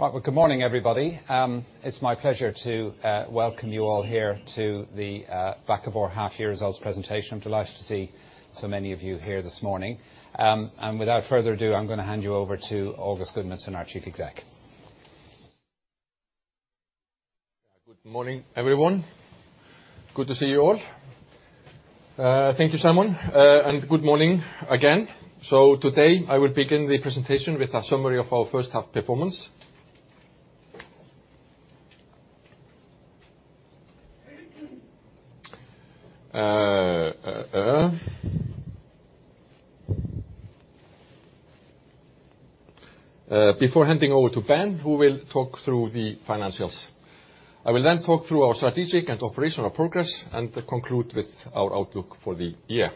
Right. Well, good morning, everybody. It's my pleasure to welcome you all here to the Bakkavor half year results presentation. I'm delighted to see so many of you here this morning. Without further ado, I'm gonna hand you over to Agust Gudmundsson, our Chief Exec. Good morning, everyone. Good to see you all. Thank you, Simon. Good morning again. Today I will begin the presentation with a summary of our first half performance. Before handing over to Ben, who will talk through the financials. I will then talk through our strategic and operational progress, and conclude with our outlook for the year.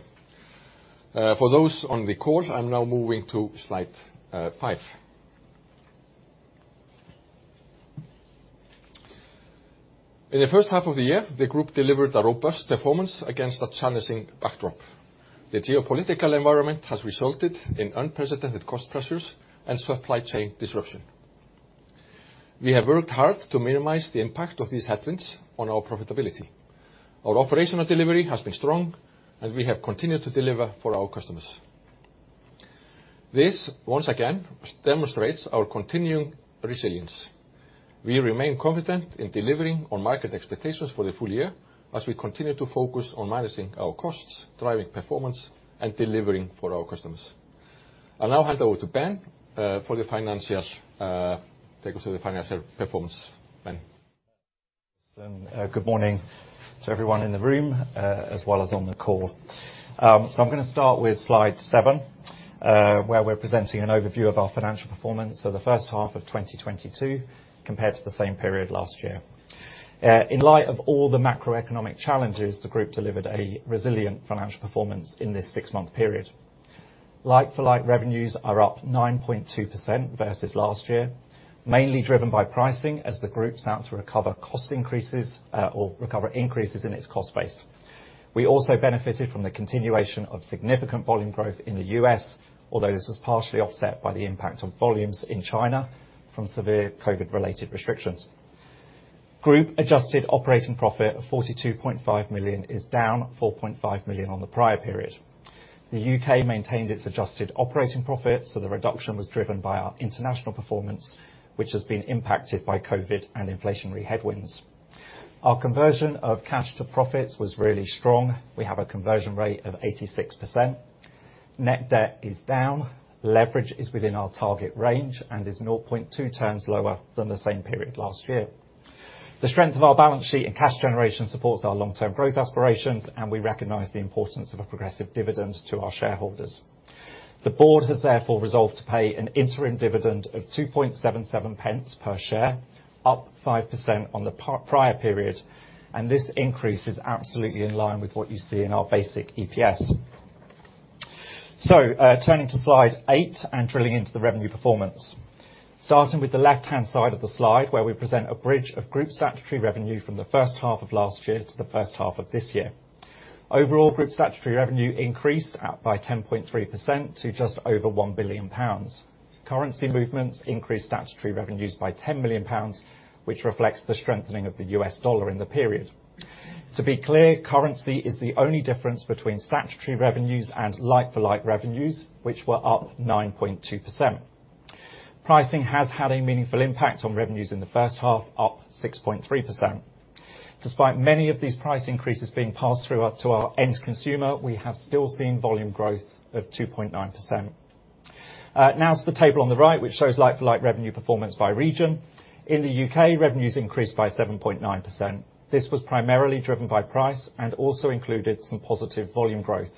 For those on the call, I'm now moving to slide 5. In the first half of the year, the group delivered a robust performance against a challenging backdrop. The geopolitical environment has resulted in unprecedented cost pressures and supply chain disruption. We have worked hard to minimize the impact of these headwinds on our profitability. Our operational delivery has been strong, and we have continued to deliver for our customers. This once again demonstrates our continuing resilience. We remain confident in delivering on market expectations for the full year as we continue to focus on managing our costs, driving performance, and delivering for our customers. I'll now hand over to Ben for the financials. Take us through the financial performance, Ben. Good morning to everyone in the room, as well as on the call. I'm gonna start with slide 7, where we're presenting an overview of our financial performance for the first half of 2022 compared to the same period last year. In light of all the macroeconomic challenges, the group delivered a resilient financial performance in this six-month period. Like-for-like revenues are up 9.2% versus last year, mainly driven by pricing, as the group sought to recover cost increases, or recover increases in its cost base. We also benefited from the continuation of significant volume growth in the U.S., although this was partially offset by the impact on volumes in China from severe COVID-related restrictions. Group adjusted operating profit of 42.5 million is down 4.5 million on the prior period. The U.K. maintained its adjusted operating profit, so the reduction was driven by our international performance, which has been impacted by COVID and inflationary headwinds. Our conversion of cash to profits was really strong. We have a conversion rate of 86%. Net debt is down. Leverage is within our target range and is 0.2 turns lower than the same period last year. The strength of our balance sheet and cash generation supports our long-term growth aspirations, and we recognize the importance of a progressive dividend to our shareholders. The board has therefore resolved to pay an interim dividend of 2.77 pence per share, up 5% on the prior period, and this increase is absolutely in line with what you see in our basic EPS. Turning to slide 8, and drilling into the revenue performance. Starting with the left-hand side of the slide, where we present a bridge of group statutory revenue from the first half of last year to the first half of this year. Overall, group statutory revenue increased by 10.3% to just over 1 billion pounds. Currency movements increased statutory revenues by 10 million pounds, which reflects the strengthening of the U.S. dollar in the period. To be clear, currency is the only difference between statutory revenues and like-for-like revenues, which were up 9.2%. Pricing has had a meaningful impact on revenues in the first half, up 6.3%. Despite many of these price increases being passed through to our end consumer, we have still seen volume growth of 2.9%. Now to the table on the right, which shows like-for-like revenue performance by region. In the U.K., revenues increased by 7.9%. This was primarily driven by price and also included some positive volume growth.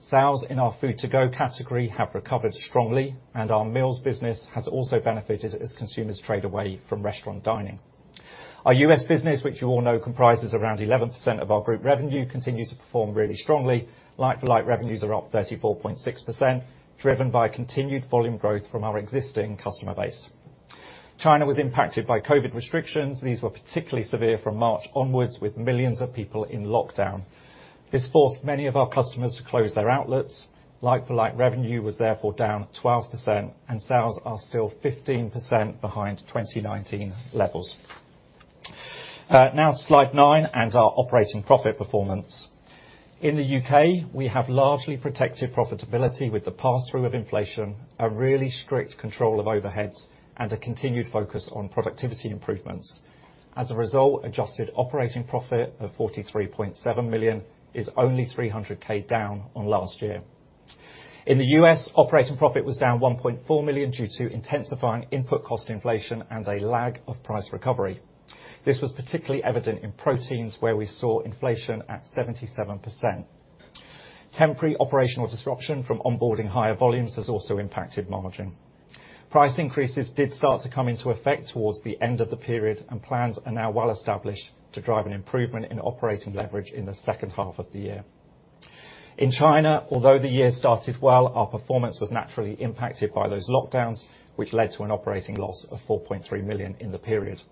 Sales in our food to go category have recovered strongly, and our meals business has also benefited as consumers trade away from restaurant dining. Our U.S. business, which you all know comprises around 11% of our group revenue, continued to perform really strongly. Like-for-like revenues are up 34.6%, driven by continued volume growth from our existing customer base. China was impacted by COVID restrictions. These were particularly severe from March onwards, with millions of people in lockdown. This forced many of our customers to close their outlets. Like-for-like revenue was therefore down 12% and sales are still 15% behind 2019 levels. Now to slide 9 and our operating profit performance. In the U.K., we have largely protected profitability with the pass-through of inflation, a really strict control of overheads, and a continued focus on productivity improvements. As a result, adjusted operating profit of 43.7 million is only 300K down on last year. In the U.S., operating profit was down 1.4 million due to intensifying input cost inflation and a lag of price recovery. This was particularly evident in proteins, where we saw inflation at 77%. Temporary operational disruption from onboarding higher volumes has also impacted margin. Price increases did start to come into effect towards the end of the period, and plans are now well established to drive an improvement in operating leverage in the second half of the year. In China, although the year started well, our performance was naturally impacted by those lockdowns, which led to an operating loss of 4.3 million in the period.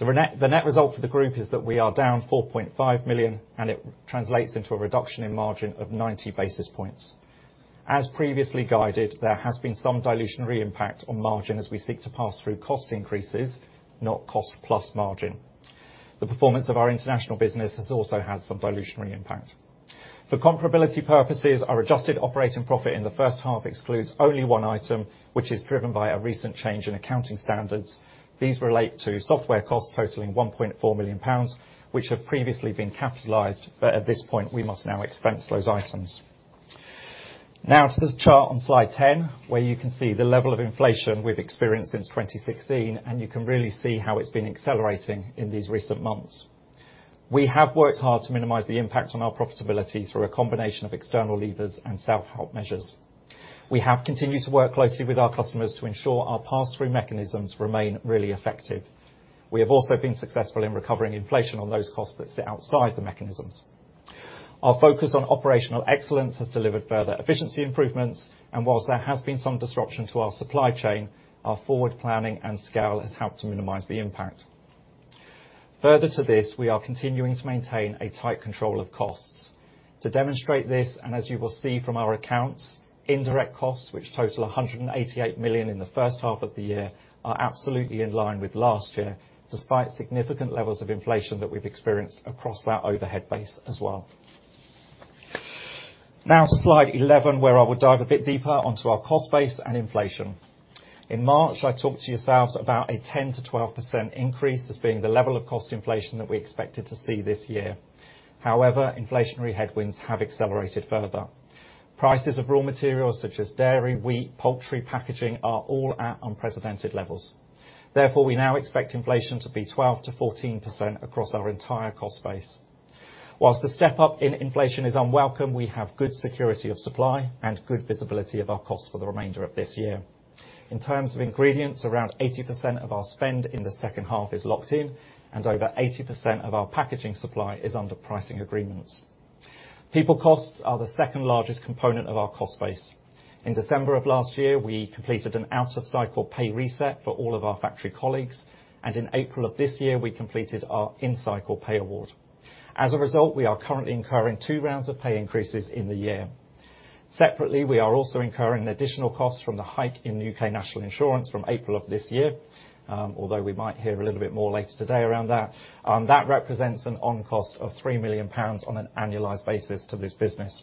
The net result for the group is that we are down 4.5 million, and it translates into a reduction in margin of 90 basis points. As previously guided, there has been some dilutionary impact on margin as we seek to pass through cost increases, not cost plus margin. The performance of our international business has also had some dilutionary impact. For comparability purposes, our adjusted operating profit in the first half excludes only one item, which is driven by a recent change in accounting standards. These relate to software costs totaling 1.4 million pounds, which have previously been capitalized, but at this point, we must now expense those items. Now to the chart on slide 10, where you can see the level of inflation we've experienced since 2016, and you can really see how it's been accelerating in these recent months. We have worked hard to minimize the impact on our profitability through a combination of external levers and self-help measures. We have continued to work closely with our customers to ensure our pass-through mechanisms remain really effective. We have also been successful in recovering inflation on those costs that sit outside the mechanisms. Our focus on operational excellence has delivered further efficiency improvements, and whilst there has been some disruption to our supply chain, our forward planning and scale has helped to minimize the impact. Further to this, we are continuing to maintain a tight control of costs. To demonstrate this, and as you will see from our accounts, indirect costs, which total 188 million in the first half of the year, are absolutely in line with last year, despite significant levels of inflation that we've experienced across that overhead base as well. Now, slide 11, where I will dive a bit deeper onto our cost base and inflation. In March, I talked to yourselves about a 10%-12% increase as being the level of cost inflation that we expected to see this year. However, inflationary headwinds have accelerated further. Prices of raw materials such as dairy, wheat, poultry, packaging are all at unprecedented levels. Therefore, we now expect inflation to be 12%-14% across our entire cost base. While the step up in inflation is unwelcome, we have good security of supply and good visibility of our costs for the remainder of this year. In terms of ingredients, around 80% of our spend in the second half is locked in, and over 80% of our packaging supply is under pricing agreements. People costs are the second largest component of our cost base. In December of last year, we completed an out-of-cycle pay reset for all of our factory colleagues, and in April of this year, we completed our in-cycle pay award. As a result, we are currently incurring two rounds of pay increases in the year. Separately, we are also incurring additional costs from the hike in U.K. national insurance from April of this year, although we might hear a little bit more later today around that. That represents an on-cost of 3 million pounds on an annualized basis to this business.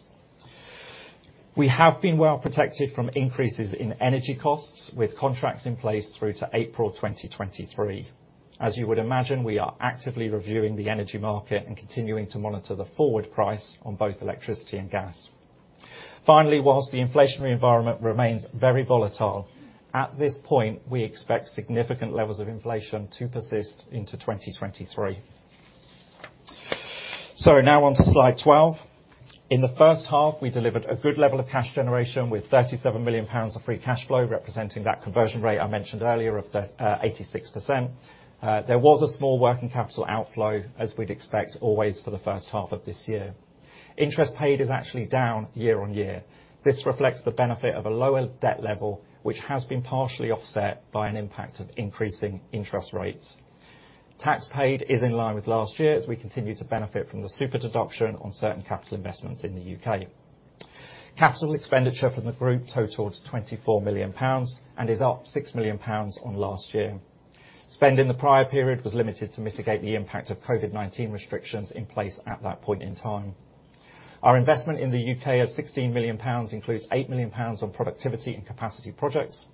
We have been well protected from increases in energy costs with contracts in place through to April 2023. As you would imagine, we are actively reviewing the energy market and continuing to monitor the forward price on both electricity and gas. Finally, while the inflationary environment remains very volatile, at this point, we expect significant levels of inflation to persist into 2023. Now on to slide 12. In the first half, we delivered a good level of cash generation with 37 million pounds of free cash flow, representing that conversion rate I mentioned earlier of 86%. There was a small working capital outflow, as we'd expect always for the first half of this year. Interest paid is actually down year-on-year. This reflects the benefit of a lower debt level, which has been partially offset by an impact of increasing interest rates. Tax paid is in line with last year as we continue to benefit from the super deduction on certain capital investments in the U.K. Capital expenditure from the group totaled 24 million pounds and is up 6 million pounds on last year. Spend in the prior period was limited to mitigate the impact of COVID-19 restrictions in place at that point in time. Our investment in the U.K. of 16 million pounds includes 8 million pounds on productivity and capacity projects.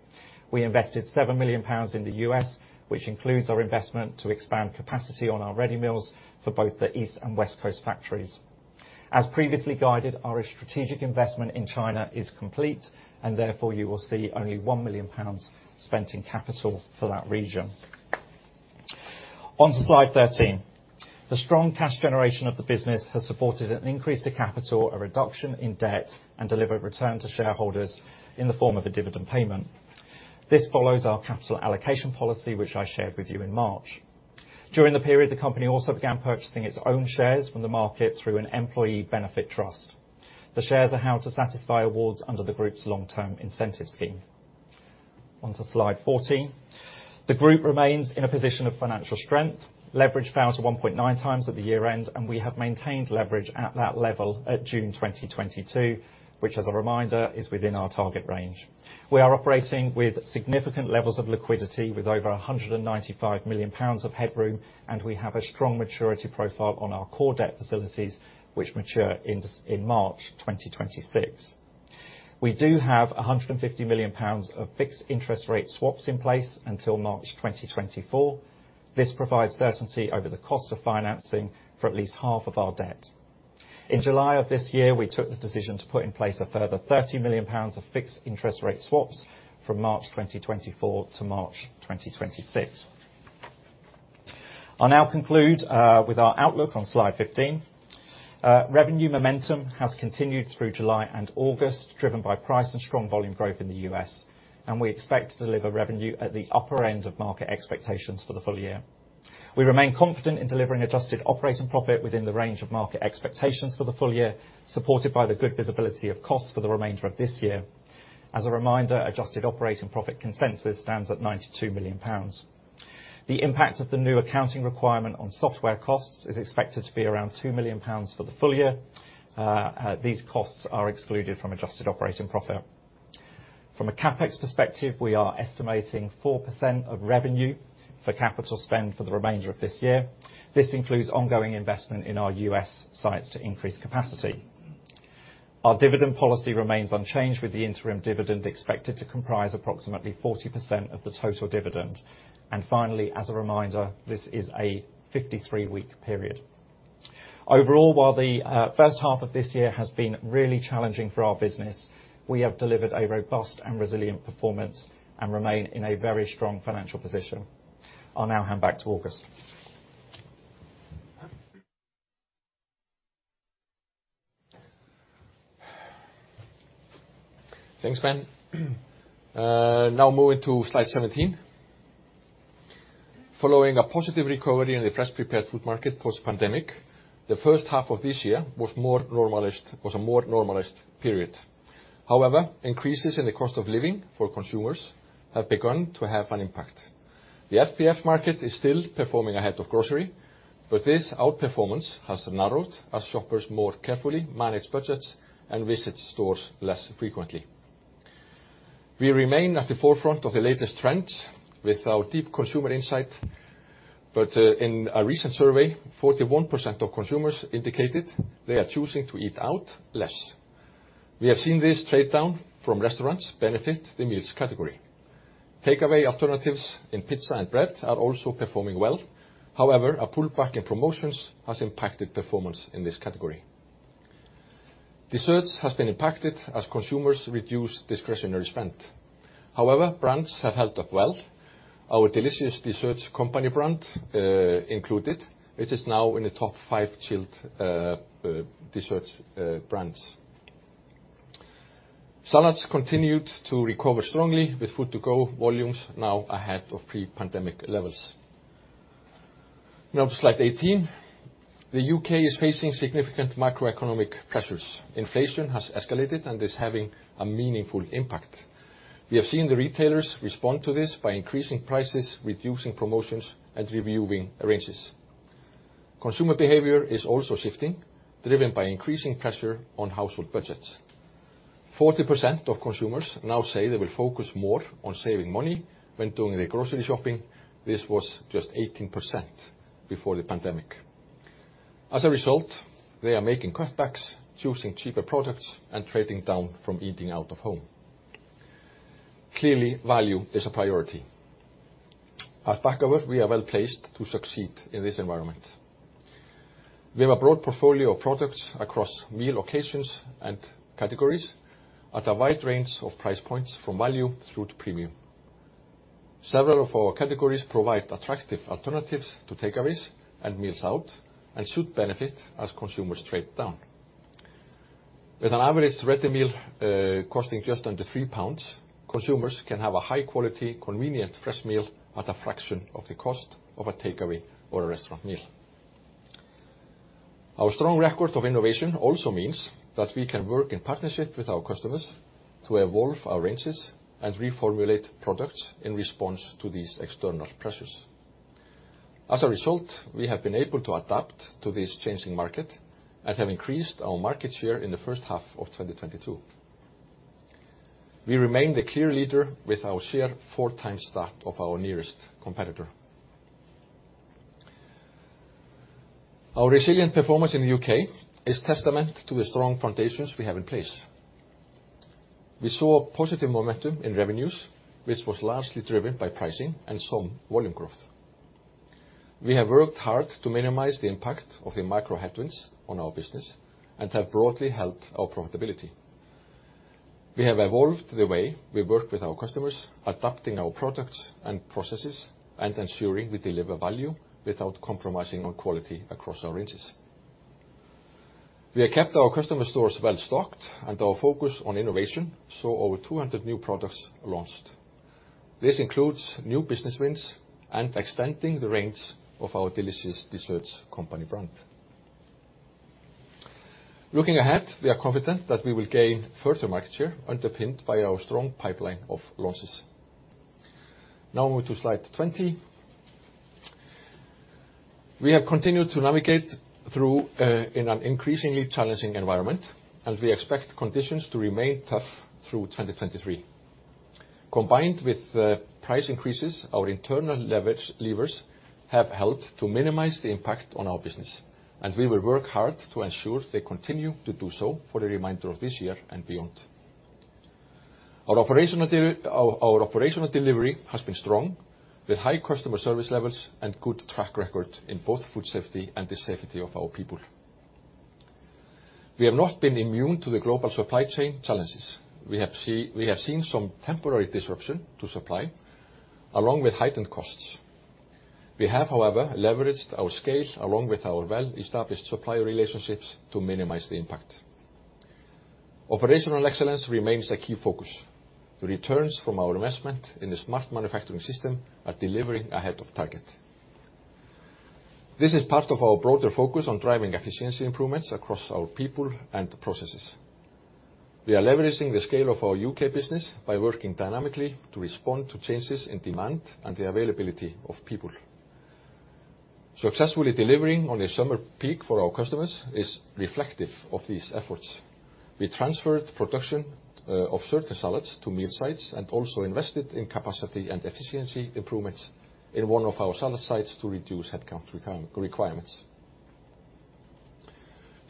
We invested 7 million pounds in the U.S., which includes our investment to expand capacity on our ready meals for both the East and West Coast factories. As previously guided, our strategic investment in China is complete, and therefore you will see only 1 million pounds spent in capital for that region. On to slide 13. The strong cash generation of the business has supported an increase to capital, a reduction in debt, and delivered return to shareholders in the form of a dividend payment. This follows our capital allocation policy, which I shared with you in March. During the period, the company also began purchasing its own shares from the market through an employee benefit trust. The shares are held to satisfy awards under the group's long-term incentive plan. On to slide 14. The group remains in a position of financial strength, leverage down to 1.9 times at the year-end, and we have maintained leverage at that level at June 2022, which as a reminder, is within our target range. We are operating with significant levels of liquidity with over 195 million pounds of headroom, and we have a strong maturity profile on our core debt facilities which mature in March 2026. We do have 150 million pounds of fixed interest rate swaps in place until March 2024. This provides certainty over the cost of financing for at least half of our debt. In July of this year, we took the decision to put in place a further 30 million pounds of fixed interest rate swaps from March 2024 to March 2026. I'll now conclude with our outlook on slide 15. Revenue momentum has continued through July and August, driven by price and strong volume growth in the U.S., and we expect to deliver revenue at the upper end of market expectations for the full year. We remain confident in delivering adjusted operating profit within the range of market expectations for the full year, supported by the good visibility of costs for the remainder of this year. As a reminder, adjusted operating profit consensus stands at 92 million pounds. The impact of the new accounting requirement on software costs is expected to be around 2 million pounds for the full year. These costs are excluded from adjusted operating profit. From a CapEx perspective, we are estimating 4% of revenue for capital spend for the remainder of this year. This includes ongoing investment in our U.S. sites to increase capacity. Our dividend policy remains unchanged with the interim dividend expected to comprise approximately 40% of the total dividend. Finally, as a reminder, this is a 53-week period. Overall, while the first half of this year has been really challenging for our business, we have delivered a robust and resilient performance and remain in a very strong financial position. I'll now hand back to Agust. Thanks, Ben. Now moving to slide 17. Following a positive recovery in the fresh prepared food market post-pandemic, the first half of this year was a more normalized period. However, increases in the cost of living for consumers have begun to have an impact. The FPF market is still performing ahead of grocery, but this outperformance has narrowed as shoppers more carefully manage budgets and visit stores less frequently. We remain at the forefront of the latest trends with our deep consumer insight, but in a recent survey, 41% of consumers indicated they are choosing to eat out less. We have seen this trade down from restaurants benefit the meals category. Takeaway alternatives in pizza and bread are also performing well. However, a pullback in promotions has impacted performance in this category. Desserts has been impacted as consumers reduce discretionary spend. However, brands have held up well. Our Delicious Dessert Company brand, included. It is now in the top five chilled desserts brands. Salads continued to recover strongly with food to go volumes now ahead of pre-pandemic levels. Now to slide 18. The U.K. is facing significant macroeconomic pressures. Inflation has escalated and is having a meaningful impact. We have seen the retailers respond to this by increasing prices, reducing promotions, and reviewing ranges. Consumer behavior is also shifting, driven by increasing pressure on household budgets. 40% of consumers now say they will focus more on saving money when doing their grocery shopping. This was just 18% before the pandemic. As a result, they are making cutbacks, choosing cheaper products, and trading down from eating out of home. Clearly, value is a priority. At Bakkavor, we are well-placed to succeed in this environment. We have a broad portfolio of products across meal occasions and categories at a wide range of price points from value through to premium. Several of our categories provide attractive alternatives to takeaways and meals out and should benefit as consumers trade down. With an average ready meal costing just under 3 pounds, consumers can have a high quality, convenient fresh meal at a fraction of the cost of a takeaway or a restaurant meal. Our strong record of innovation also means that we can work in partnership with our customers to evolve our ranges and reformulate products in response to these external pressures. As a result, we have been able to adapt to this changing market and have increased our market share in the first half of 2022. We remain the clear leader with our share fou times that of our nearest competitor. Our resilient performance in the U.K. is testament to the strong foundations we have in place. We saw positive momentum in revenues, which was largely driven by pricing and some volume growth. We have worked hard to minimize the impact of the micro headwinds on our business and have broadly held our profitability. We have evolved the way we work with our customers, adapting our products and processes, and ensuring we deliver value without compromising on quality across our ranges. We have kept our customer stores well-stocked, and our focus on innovation saw over 200 new products launched. This includes new business wins and extending the range of our Delicious Dessert Company brand. Looking ahead, we are confident that we will gain further market share underpinned by our strong pipeline of launches. Now on to slide 20. We have continued to navigate through in an increasingly challenging environment, and we expect conditions to remain tough through 2023. Combined with price increases, our internal levers have helped to minimize the impact on our business, and we will work hard to ensure they continue to do so for the remainder of this year and beyond. Our operational delivery has been strong with high customer service levels and good track record in both food safety and the safety of our people. We have not been immune to the global supply chain challenges. We have seen some temporary disruption to supply along with heightened costs. We have, however, leveraged our scale along with our well-established supplier relationships to minimize the impact. Operational excellence remains a key focus. The returns from our investment in the smart manufacturing system are delivering ahead of target. This is part of our broader focus on driving efficiency improvements across our people and processes. We are leveraging the scale of our U.K. business by working dynamically to respond to changes in demand and the availability of people. Successfully delivering on the summer peak for our customers is reflective of these efforts. We transferred production of certain salads to meal sites and also invested in capacity and efficiency improvements in one of our salad sites to reduce headcount requirements.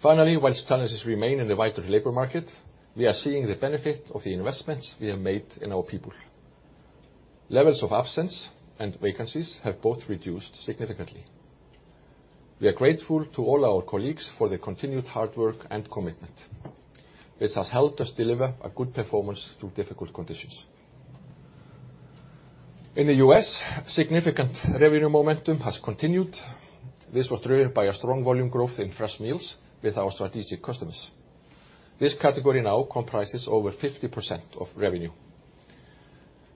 Finally, while challenges remain in the wider labor market, we are seeing the benefit of the investments we have made in our people. Levels of absence and vacancies have both reduced significantly. We are grateful to all our colleagues for their continued hard work and commitment. This has helped us deliver a good performance through difficult conditions. In the U.S., significant revenue momentum has continued. This was driven by a strong volume growth in fresh meals with our strategic customers. This category now comprises over 50% of revenue.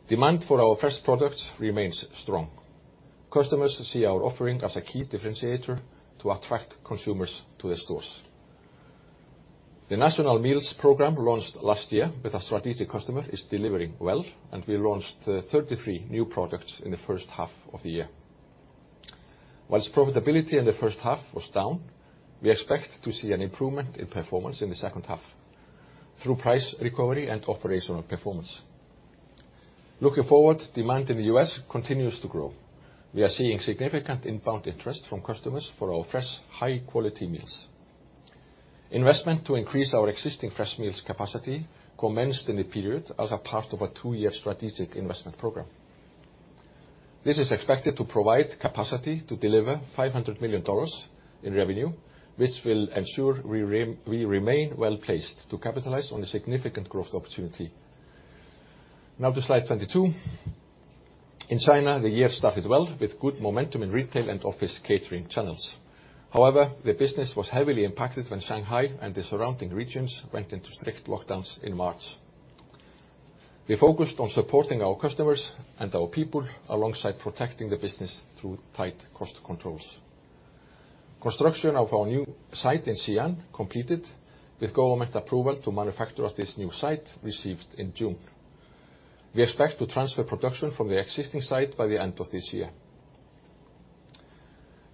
Demand for our fresh products remains strong. Customers see our offering as a key differentiator to attract consumers to the stores. The national meals program launched last year with a strategic customer is delivering well, and we launched 33 new products in the first half of the year. While profitability in the first half was down, we expect to see an improvement in performance in the second half through price recovery and operational performance. Looking forward, demand in the U.S. continues to grow. We are seeing significant inbound interest from customers for our fresh, high-quality meals. Investment to increase our existing fresh meals capacity commenced in the period as a part of a two-year strategic investment program. This is expected to provide capacity to deliver $500 million in revenue, which will ensure we remain well-placed to capitalize on the significant growth opportunity. Now to slide 22. In China, the year started well with good momentum in retail and office catering channels. However, the business was heavily impacted when Shanghai and the surrounding regions went into strict lockdowns in March. We focused on supporting our customers and our people alongside protecting the business through tight cost controls. Construction of our new site in Xi'an completed, with government approval to manufacture at this new site received in June. We expect to transfer production from the existing site by the end of this year.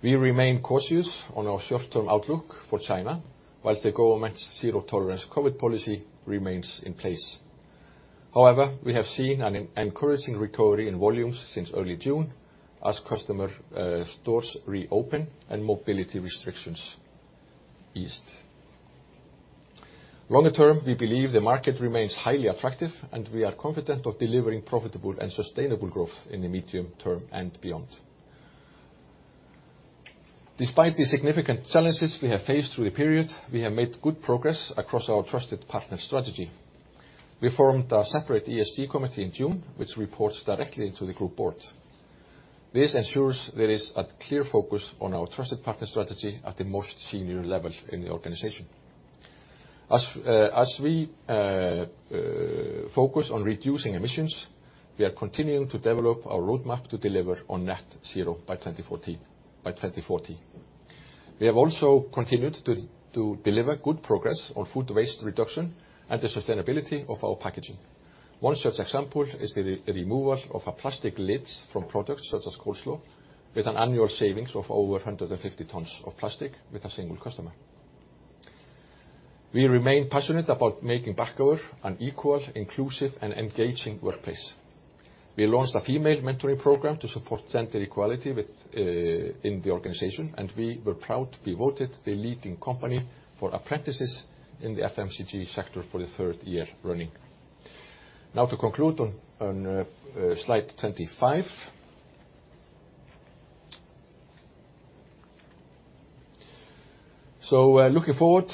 We remain cautious on our short-term outlook for China while the government's zero-tolerance COVID policy remains in place. However, we have seen an encouraging recovery in volumes since early June as customer stores reopen and mobility restrictions eased. Longer term, we believe the market remains highly attractive, and we are confident of delivering profitable and sustainable growth in the medium term and beyond. Despite the significant challenges we have faced through the period, we have made good progress across our Trusted Partner strategy. We formed a separate ESG committee in June, which reports directly to the group board. This ensures there is a clear focus on our Trusted Partner strategy at the most senior level in the organization. As we focus on reducing emissions, we are continuing to develop our roadmap to deliver on net zero by 2040. We have also continued to deliver good progress on food waste reduction and the sustainability of our packaging. One such example is the removal of our plastic lids from products such as coleslaw, with an annual savings of over 150 tons of plastic with a single customer. We remain passionate about making Bakkavor an equal, inclusive and engaging workplace. We launched a female mentoring program to support gender equality within the organization, and we were proud to be voted the leading company for apprentices in the FMCG sector for the third year running. Now to conclude on slide 25. Looking forward,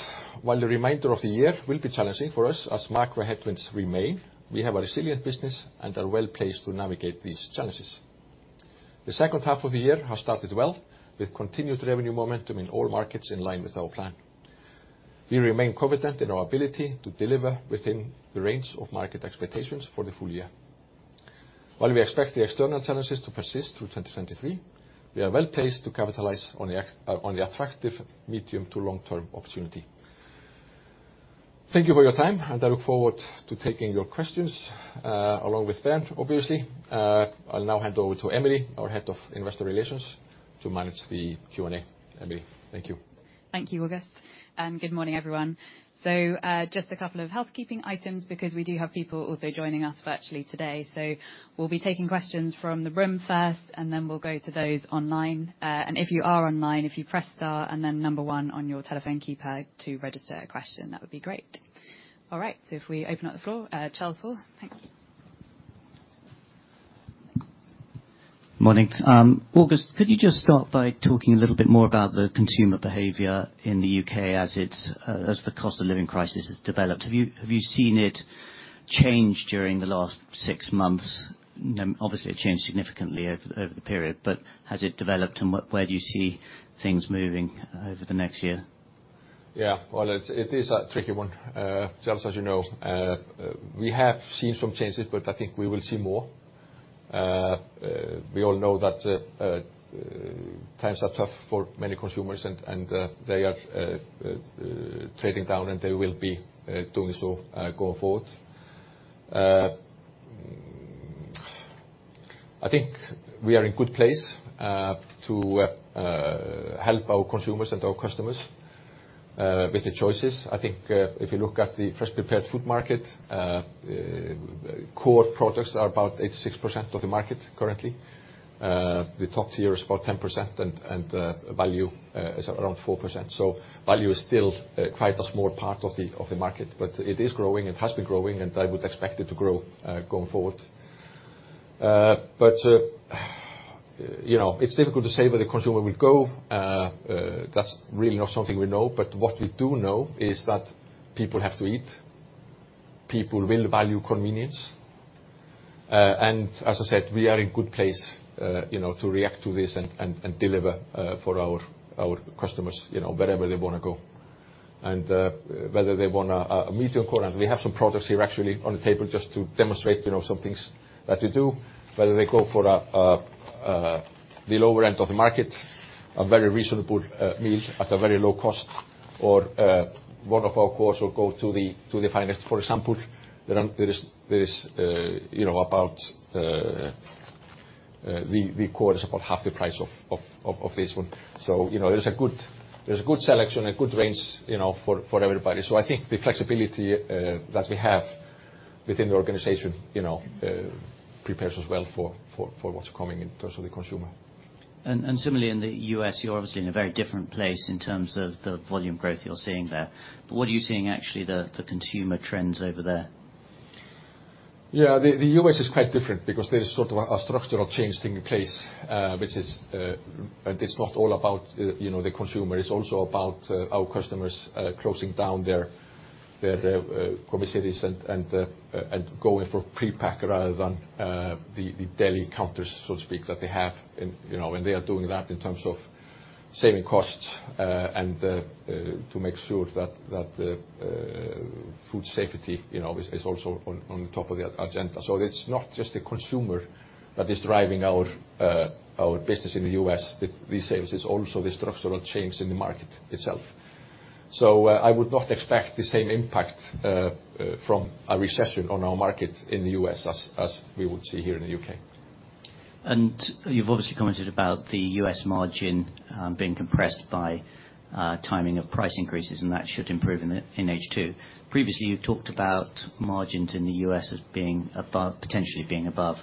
while the remainder of the year will be challenging for us as macro headwinds remain, we have a resilient business and are well-placed to navigate these challenges. The second half of the year has started well with continued revenue momentum in all markets in line with our plan. We remain confident in our ability to deliver within the range of market expectations for the full year. While we expect the external challenges to persist through 2023, we are well-placed to capitalize on the attractive medium to long-term opportunity. Thank you for your time, and I look forward to taking your questions along with Ben Waldron, obviously. I'll now hand over to Emily, our head of investor relations, to manage the Q&A. Emily, thank you. Thank you, Agust, and good morning, everyone. Just a couple of housekeeping items because we do have people also joining us virtually today. We'll be taking questions from the room first, and then we'll go to those online. If you are online, if you press star and then number one on your telephone keypad to register a question, that would be great. All right, if we open up the floor, Charles Hall, thanks. Morning. Agust, could you just start by talking a little bit more about the consumer behavior in the U.K. as it's, as the cost of living crisis has developed? Have you seen it change during the last six months? Obviously, it changed significantly over the period, but has it developed, and where do you see things moving over the next year? Yeah, well, it is a tricky one. Charles, as you know, we have seen some changes, but I think we will see more. We all know that times are tough for many consumers and they are trading down, and they will be doing so going forward. I think we are in good place to help our consumers and our customers with the choices. I think if you look at the fresh prepared food market, core products are about 86% of the market currently. The top tier is about 10% and value is around 4%. Value is still quite a small part of the market, but it is growing, it has been growing, and I would expect it to grow going forward. You know, it's difficult to say where the consumer will go. That's really not something we know, but what we do know is that people have to eat, people will value convenience. As I said, we are in good place, you know, to react to this and deliver for our customers, you know, wherever they wanna go. Whether they want a meal equivalent, we have some products here actually on the table just to demonstrate, you know, some things that we do, whether they go for the lower end of the market, a very reasonable meal at a very low cost or one of our customers will go to the finest, for example, there is, you know, the core is about half the price of this one. You know, there's a good selection, a good range, you know, for everybody. I think the flexibility that we have within the organization, you know, prepares us well for what's coming in terms of the consumer. Similarly in the US, you're obviously in a very different place in terms of the volume growth you're seeing there. What are you seeing actually the consumer trends over there? Yeah, the U.S. is quite different because there is sort of a structural change taking place, which is. It's not all about, you know, the consumer, it's also about our customers closing down their commissaries and going for prepack rather than the daily counters, so to speak, that they have. You know, they are doing that in terms of saving costs and to make sure that food safety, you know, is also on top of the agenda. It's not just the consumer that is driving our business in the U.S. with these sales, it's also the structural change in the market itself. I would not expect the same impact from a recession on our market in the U.S. as we would see here in the U.K. You've obviously commented about the US margin being compressed by timing of price increases, and that should improve in H2. Previously, you've talked about margins in the US as potentially being above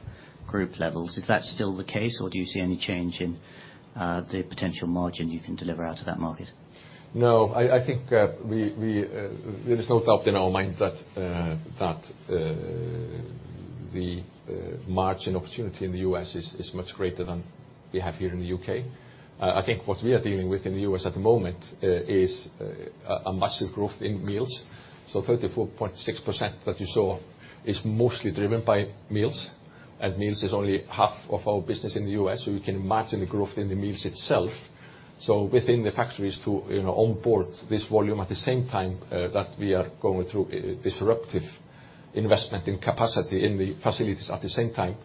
group levels. Is that still the case, or do you see any change in the potential margin you can deliver out of that market? No. I think we. There is no doubt in our mind that the margin opportunity in the U.S. is much greater than we have here in the U.K. I think what we are dealing with in the U.S. at the moment is a massive growth in meals. 34.6% that you saw is mostly driven by meals, and meals is only half of our business in the U.S., so you can imagine the growth in the meals itself. Within the factories too, you know, to onboard this volume at the same time that we are going through a disruptive investment in capacity in the facilities at the same time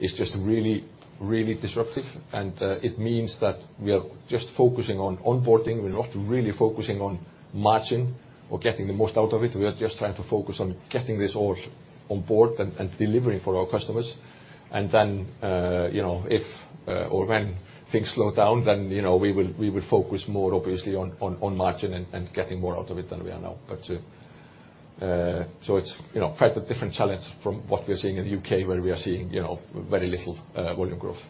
is just really disruptive. It means that we are just focusing on onboarding. We're not really focusing on margin or getting the most out of it. We are just trying to focus on getting this all on board and delivering for our customers. You know, if or when things slow down, then you know, we will focus more obviously on margin and getting more out of it than we are now. So it's you know, quite a different challenge from what we're seeing in the U.K. where we are seeing you know, very little volume growth.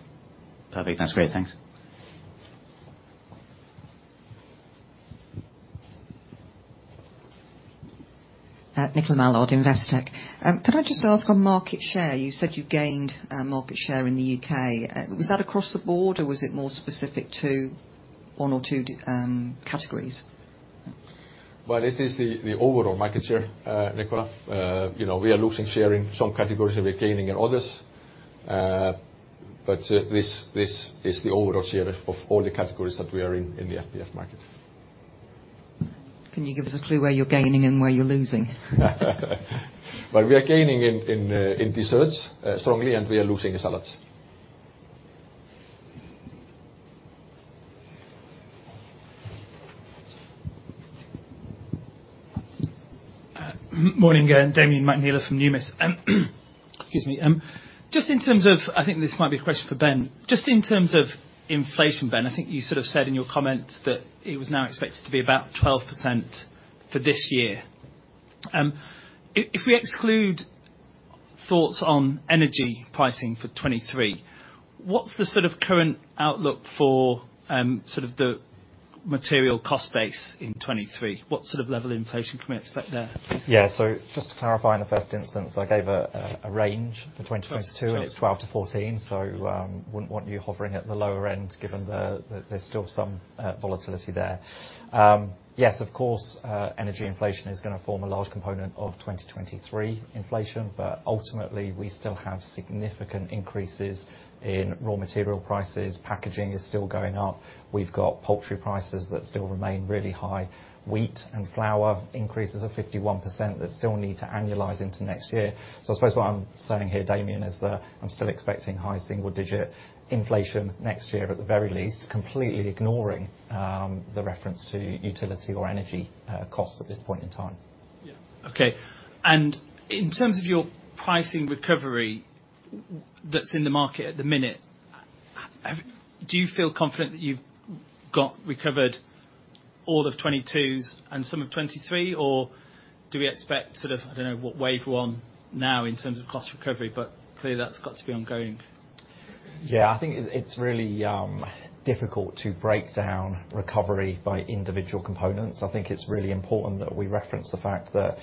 Perfect. That's great. Thanks. Nicola Mallard, Investec. Could I just ask on market share? You said you gained market share in the U.K.. Was that across the board, or was it more specific to one or two categories? Well, it is the overall market share, Nicola. You know, we are losing share in some categories and we're gaining in others. This is the overall share of all the categories that we are in the FPF market. Can you give us a clue where you're gaining and where you're losing? Well, we are gaining in desserts strongly, and we are losing in salads. Morning again. Damian McNeela from Numis. Excuse me. Just in terms of inflation, Ben, I think you sort of said in your comments that it was now expected to be about 12% for this year. If we exclude thoughts on energy pricing for 2023, what's the sort of current outlook for sort of the material cost base in 2023, what sort of level inflation can we expect there, please? Yeah. Just to clarify in the first instance, I gave a range for 2022, and it's 12%-14%, wouldn't want you hovering at the lower end given there's still some volatility there. Yes, of course, energy inflation is gonna form a large component of 2023 inflation, but ultimately, we still have significant increases in raw material prices. Packaging is still going up. We've got poultry prices that still remain really high. Wheat and flour increases of 51% that still need to annualize into next year. I suppose what I'm saying here, Damian, is that I'm still expecting high single-digit inflation next year, at the very least, completely ignoring the reference to utility or energy costs at this point in time. Yeah. Okay. In terms of your pricing recovery that's in the market at the minute, do you feel confident that you've got recovered all of 2022's and some of 2023? Or do we expect sort of, I don't know what wave we're on now in terms of cost recovery, but clearly that's got to be ongoing. Yeah. I think it's really difficult to break down recovery by individual components. I think it's really important that we reference the fact that,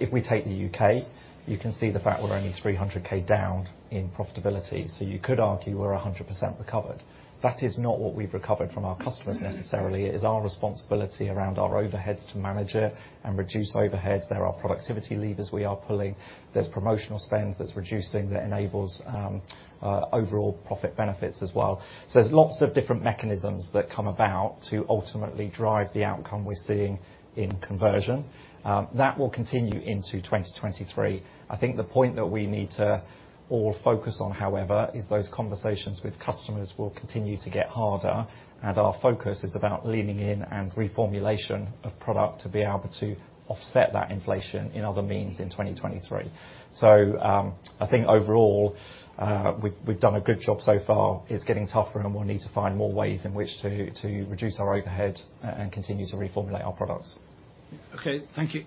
if we take the U.K., you can see the fact we're only 300 thousand down in profitability, so you could argue we're 100% recovered. That is not what we've recovered from our customers necessarily. It is our responsibility around our overheads to manage it and reduce overheads. There are productivity levers we are pulling. There's promotional spend that's reducing, that enables overall profit benefits as well. There's lots of different mechanisms that come about to ultimately drive the outcome we're seeing in conversion. That will continue into 2023. I think the point that we need to all focus on, however, is those conversations with customers will continue to get harder, and our focus is about leaning in and reformulation of product to be able to offset that inflation in other means in 2023. I think overall, we've done a good job so far. It's getting tougher, and we'll need to find more ways in which to reduce our overheads and continue to reformulate our products. Okay. Thank you.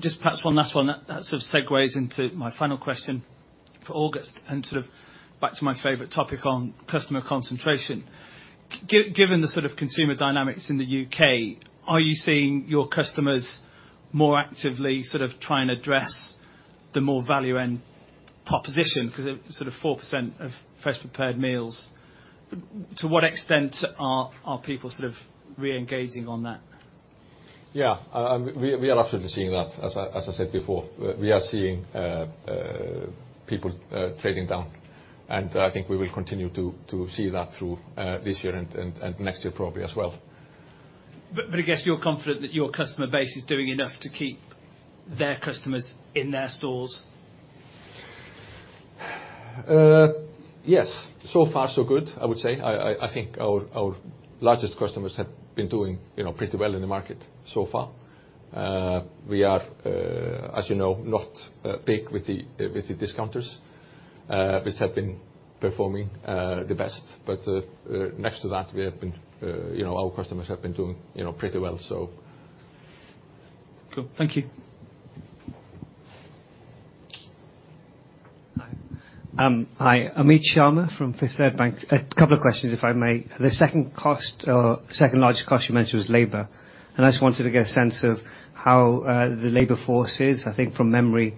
Just perhaps one last one that sort of segues into my final question for Agust, and sort of back to my favorite topic on customer concentration. Given the sort of consumer dynamics in the U.K., are you seeing your customers more actively sort of try and address the more value end proposition? 'Cause it, sort of 4% of fresh prepared meals. To what extent are people sort of re-engaging on that? Yeah. We are absolutely seeing that, as I said before. We are seeing people trading down, and I think we will continue to see that through this year and next year probably as well. I guess you're confident that your customer base is doing enough to keep their customers in their stores. Yes. So far so good, I would say. I think our largest customers have been doing, you know, pretty well in the market so far. We are, as you know, not big with the discounters, which have been performing the best. Next to that, you know, our customers have been doing, you know, pretty well. Cool. Thank you. Hi. Hi. Amit Sharma from Fifth Third Bank. A couple of questions, if I may. The second cost or second-largest cost you mentioned was labor, and I just wanted to get a sense of how the labor force is. I think from memory,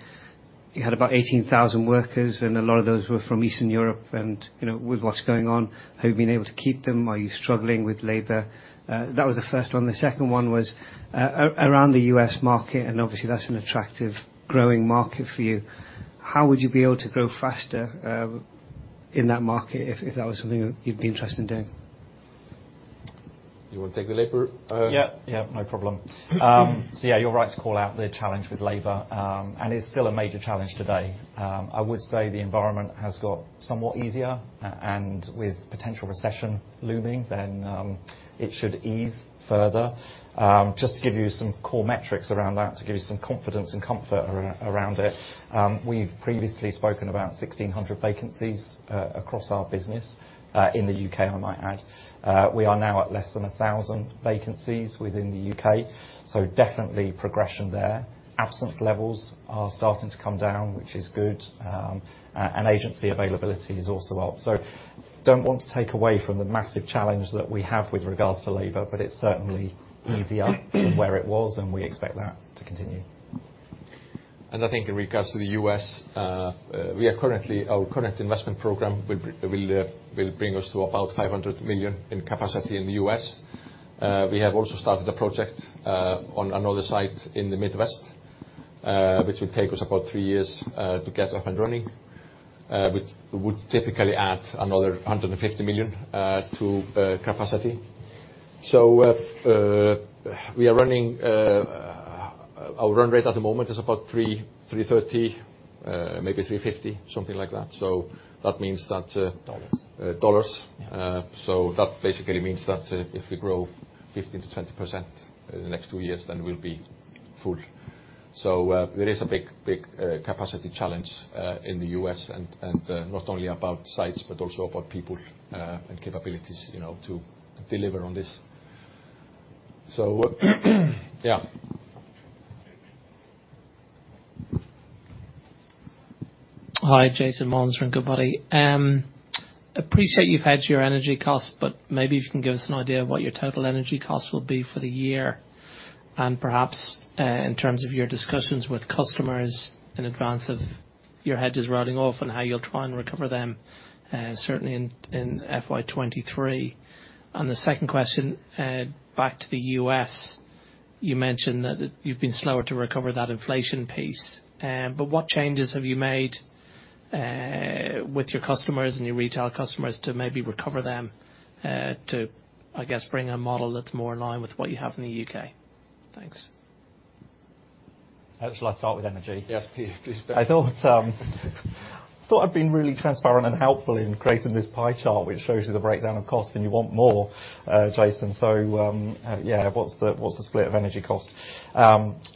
you had about 18,000 workers, and a lot of those were from Eastern Europe. You know, with what's going on, have you been able to keep them? Are you struggling with labor? That was the first one. The second one was around the U.S. market, and obviously that's an attractive growing market for you. How would you be able to grow faster in that market if that was something that you'd be interested in doing? You wanna take the labor? Yeah. Yeah, no problem. Yeah, you're right to call out the challenge with labor. It's still a major challenge today. I would say the environment has got somewhat easier, and with potential recession looming, then, it should ease further. Just to give you some core metrics around that, to give you some confidence and comfort around it, we've previously spoken about 1,600 vacancies, across our business, in the U.K., I might add. We are now at less than 1,000 vacancies within the U.K., so definitely progression there. Absence levels are starting to come down, which is good. Agency availability is also up. Don't want to take away from the massive challenge that we have with regards to labor, but it's certainly easier from where it was, and we expect that to continue. I think in regards to the U.S., our current investment program will bring us to about $500 million in capacity in the U.S.. We have also started a project on another site in the Midwest, which will take us about three years to get up and running, which would typically add another $150 million to capacity. We are running our run rate at the moment is about 330, maybe 350, something like that. That means that Dollars dollars. Yeah. That basically means that if we grow 15%-20% in the next two years, then we'll be full. There is a big capacity challenge in the U.S. and not only about sites, but also about people and capabilities, you know, to deliver on this. Yeah. Hi, Jason Molins from Goodbody. Appreciate you've hedged your energy costs, but maybe if you can give us an idea of what your total energy costs will be for the year, and perhaps, in terms of your discussions with customers in advance of your hedges running off and how you'll try and recover them, certainly in FY 2023. On the second question, back to the U.S., you mentioned that you've been slower to recover that inflation piece. But what changes have you made, with your customers and your retail customers to maybe recover them, to, I guess, bring a model that's more in line with what you have in the U.K.? Thanks. Shall I start with energy? Yes, please, Ben. I thought I'd been really transparent and helpful in creating this pie chart, which shows you the breakdown of costs, and you want more, Jason. What's the split of energy costs?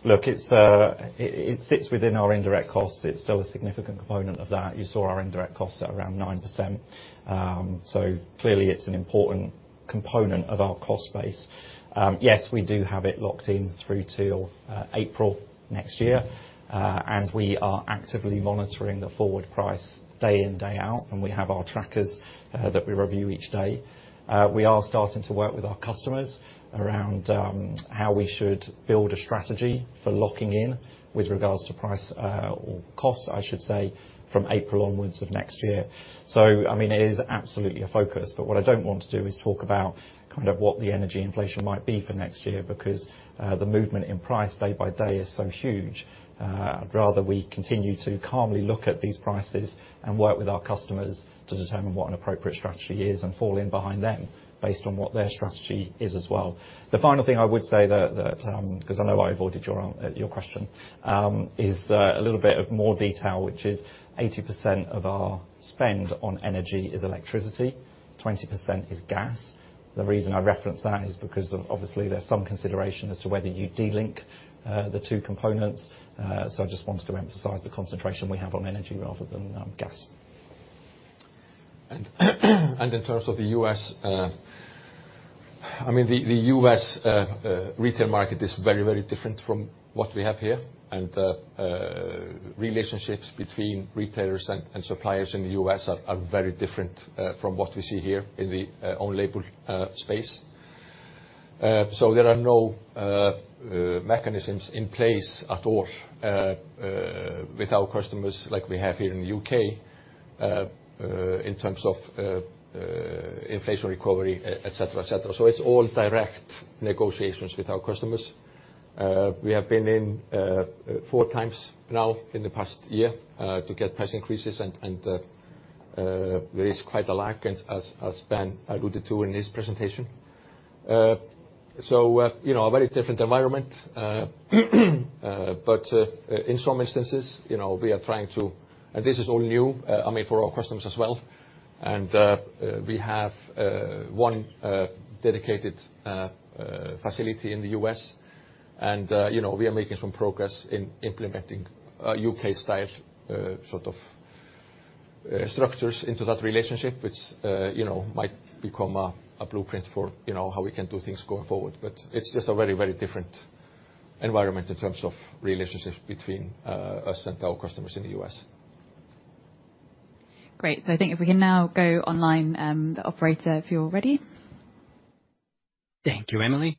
Look, it sits within our indirect costs. It's still a significant component of that. You saw our indirect costs at around 9%. Clearly it's an important component of our cost base. Yes, we do have it locked in through 'til April next year. We are actively monitoring the forward price day in, day out, and we have our trackers that we review each day. We are starting to work with our customers around how we should build a strategy for locking in with regards to price or costs, I should say, from April onward of next year. I mean, it is absolutely a focus, but what I don't want to do is talk about kind of what the energy inflation might be for next year because the movement in price day by day is so huge. I'd rather we continue to calmly look at these prices and work with our customers to determine what an appropriate strategy is and fall in behind them based on what their strategy is as well. The final thing I would say that 'cause I know I avoided your question is a little bit of more detail, which is 80% of our spend on energy is electricity, 20% is gas. The reason I reference that is because obviously there's some consideration as to whether you de-link the two components, so I just wanted to emphasize the concentration we have on energy rather than gas. In terms of the U.S., I mean, the U.S. retail market is very, very different from what we have here. Relationships between retailers and suppliers in the U.S. are very different from what we see here in the own label space. There are no mechanisms in place at all with our customers like we have here in the U.K. in terms of inflation recovery, et cetera. It's all direct negotiations with our customers. We have been in four times now in the past year to get price increases and there is quite a lag as Ben alluded to in his presentation. You know, a very different environment. In some instances, you know, this is all new, I mean, for our customers as well. We have one dedicated facility in the U.S. You know, we are making some progress in implementing a U.K. style sort of structures into that relationship, which you know, might become a blueprint for, you know, how we can do things going forward. It's just a very, very different environment in terms of relationships between us and our customers in the U.S. Great. I think if we can now go online, the operator, if you're ready. Thank you, Emily.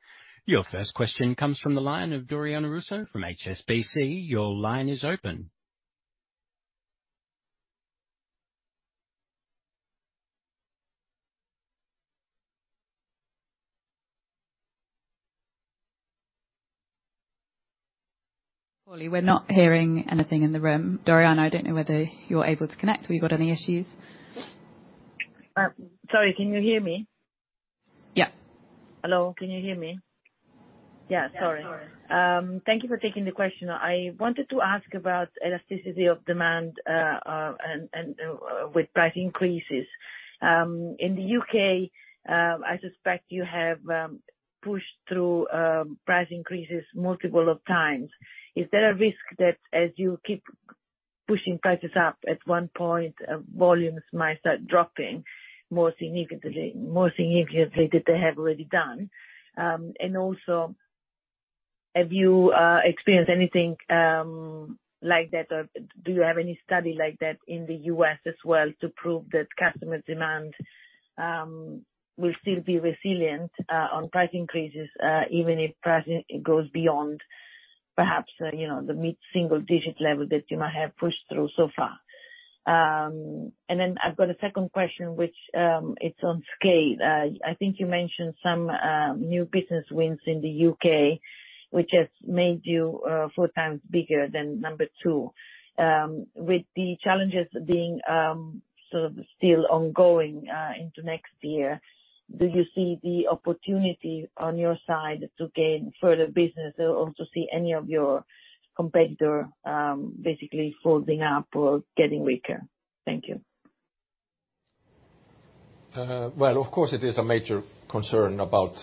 Your first question comes from the line of Doriana Russo from HSBC. Your line is open. Pauly, we're not hearing anything in the room. Doriana, I don't know whether you're able to connect. Have you got any issues? Sorry, can you hear me? Yeah. Hello, can you hear me? Yeah, Sorry. Thank you for taking the question. I wanted to ask about elasticity of demand with price increases. In the U.K., I suspect you have pushed through price increases multiple times. Is there a risk that as you keep pushing prices up, at one point, volumes might start dropping more significantly than they have already done? Also, have you experienced anything like that, or do you have any study like that in the U.S. as well to prove that customer demand will still be resilient on price increases even if pricing goes beyond perhaps you know the mid-single digit level that you might have pushed through so far? Then I've got a second question, which it's on scale. I think you mentioned some new business wins in the U.K., which has made you four times bigger than number 2. With the challenges being sort of still ongoing into next year, do you see the opportunity on your side to gain further business or also see any of your competitor basically folding up or getting weaker? Thank you. Well, of course, it is a major concern about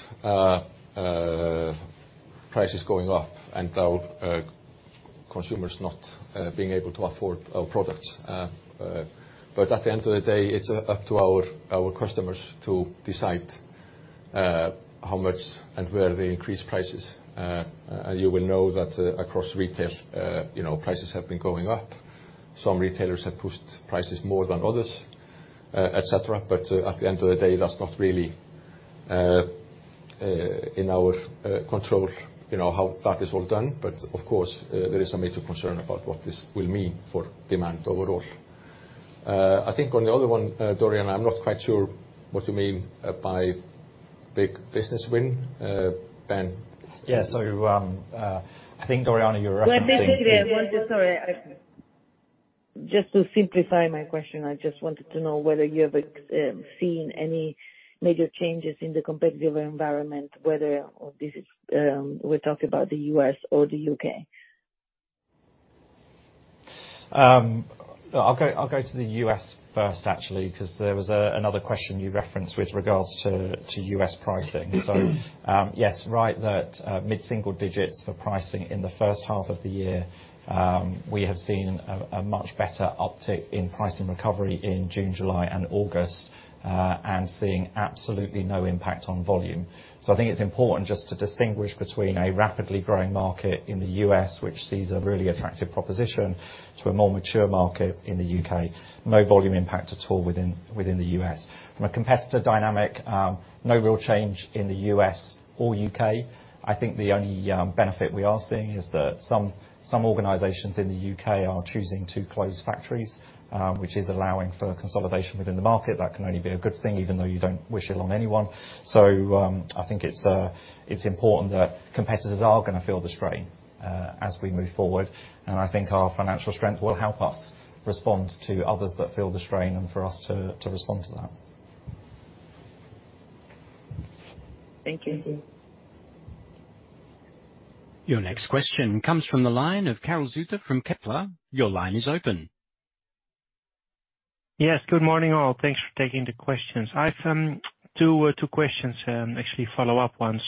prices going up and our consumers not being able to afford our products. At the end of the day, it's up to our customers to decide how much and where they increase prices. You will know that across retail, you know, prices have been going up. Some retailers have pushed prices more than others, et cetera. At the end of the day, that's not really in our control, you know, how that is all done. Of course, there is a major concern about what this will mean for demand overall. I think on the other one, Doriana, I'm not quite sure what you mean by big business win. Ben? Yes. I think, Doriana, you're referencing. Well, basically, just to simplify my question, I just wanted to know whether you have seen any major changes in the competitive environment, whether this is, we're talking about the U.S. or the U.K. I'll go to the U.S. first actually, 'cause there was another question you referenced with regards to U.S. pricing. Yes, right that, mid-single digits for pricing in the first half of the year. We have seen a much better uptick in pricing recovery in June, July and August, seeing absolutely no impact on volume. I think it's important just to distinguish between a rapidly growing market in the U.S., which sees a really attractive proposition to a more mature market in the U.K. No volume impact at all within the U.S. From a competitor dynamic, no real change in the U.S. or U.K. I think the only benefit we are seeing is that some organizations in the U.K. are choosing to close factories, which is allowing for consolidation within the market. That can only be a good thing, even though you don't wish it on anyone. I think it's important that competitors are gonna feel the strain as we move forward. I think our financial strength will help us respond to others that feel the strain and for us to respond to that. Thank you. Your next question comes from the line of Karel Zoete from Kepler. Your line is open. Yes, good morning, all. Thanks for taking the questions. I've two questions, actually follow-up ones.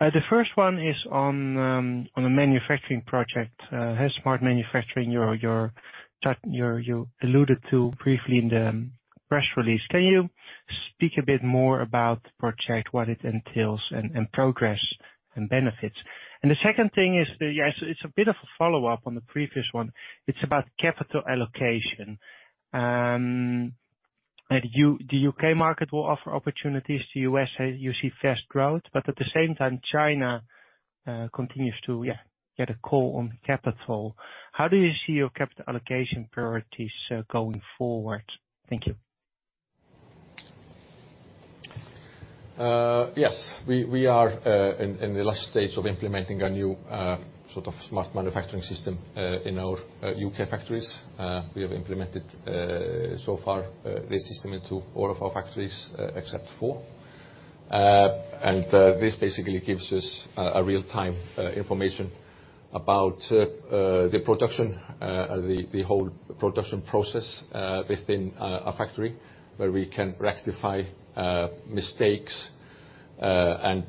The first one is on the manufacturing project you alluded to briefly in the press release. Can you speak a bit more about the project, what it entails and progress and benefits? The second thing is a bit of a follow-up on the previous one. It's about capital allocation. The U.K. market will offer opportunities to the U.S. as you see fast growth. But at the same time, China continues to get a call on capital. How do you see your capital allocation priorities going forward? Thank you. Yes. We are in the last stage of implementing a new sort of smart manufacturing system in our U.K. factories. We have implemented so far this system into all of our factories except four. This basically gives us real-time information about the production, the whole production process within a factory. Where we can rectify mistakes and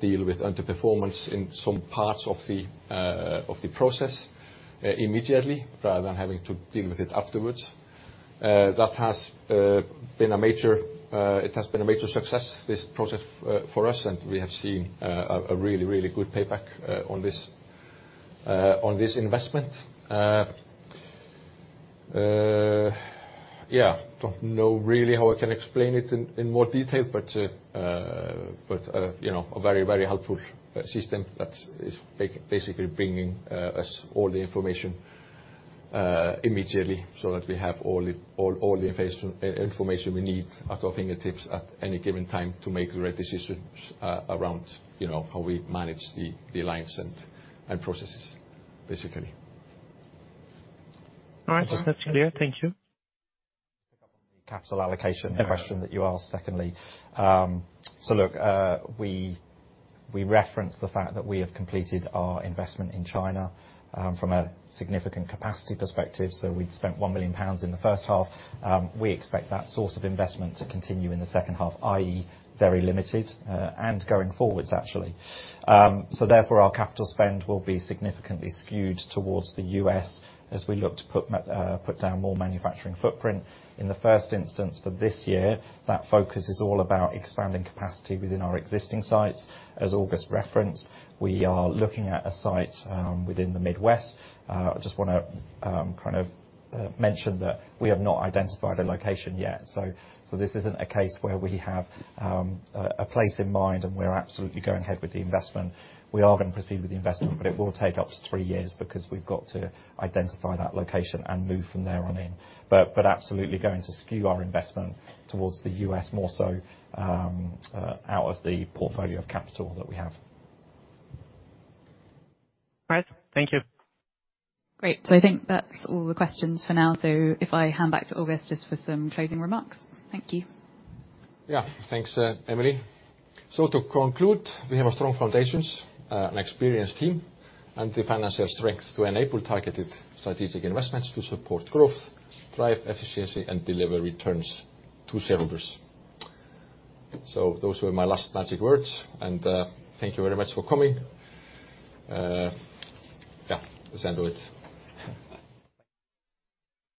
deal with underperformance in some parts of the process immediately, rather than having to deal with it afterwards. It has been a major success, this process for us, and we have seen a really good payback on this investment. Don't know really how I can explain it in more detail, but you know, a very helpful system that is basically bringing us all the information immediately so that we have all the information we need at our fingertips at any given time to make the right decisions around you know, how we manage the lines and processes, basically. All right. That's clear. Thank you. Capital allocation question that you asked secondly. We referenced the fact that we have completed our investment in China from a significant capacity perspective. We'd spent 1 million pounds in the first half. We expect that source of investment to continue in the second half, i.e., very limited, and going forwards actually. Therefore, our capital spend will be significantly skewed towards the U.S. as we look to put down more manufacturing footprint. In the first instance for this year, that focus is all about expanding capacity within our existing sites. As Agust referenced, we are looking at a site within the Midwest. I just wanna kind of mention that we have not identified a location yet. This isn't a case where we have a place in mind and we're absolutely going ahead with the investment. We are gonna proceed with the investment, but it will take up to three years because we've got to identify that location and move from there on in. Absolutely going to skew our investment towards the U.S. more so, out of the portfolio of capital that we have. All right. Thank you. Great. I think that's all the questions for now. If I hand back to Agust just for some closing remarks. Thank you. Yeah. Thanks, Emily. To conclude, we have a strong foundations, an experienced team, and the financial strength to enable targeted strategic investments to support growth, drive efficiency and deliver returns to shareholders. Those were my last magic words. Thank you very much for coming. Yeah, that's the end of it.